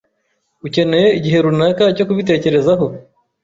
Ukeneye igihe runaka cyo kubitekerezaho?